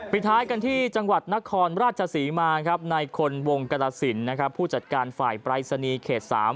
ท้ายกันที่จังหวัดนครราชศรีมาครับในคนวงกรสินผู้จัดการฝ่ายปรายศนีย์เขต๓